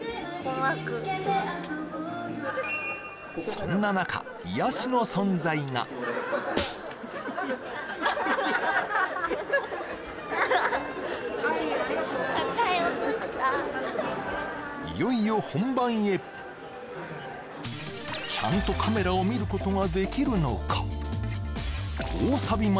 そんな中癒やしの存在がちゃんとカメラを見ることができるのか？